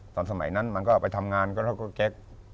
ตอนสมัยนั้นมันก็เอาไปทำงานแล้วก็แก๊ก